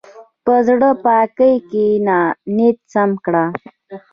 په زړه پاکۍ کښېنه، نیت سم کړه.